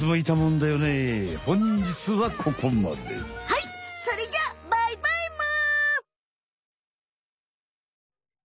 はいそれじゃあバイバイむ！